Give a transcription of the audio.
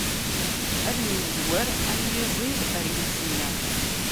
Ad nemyezwer, am yiẓid ar isni.